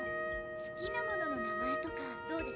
好きなものの名前とかどうです？